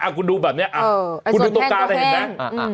อ้าวคุณดูแบบเนี้ยเออคุณดูตรงกลางได้เห็นไหมอ่าอ่าอ่า